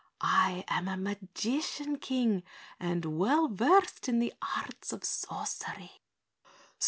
"I am a magician, King, and well versed in the arts of sorcery."